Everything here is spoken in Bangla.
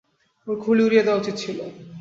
ওর খুলি উড়িয়ে দেওয়া উচিত ছিল।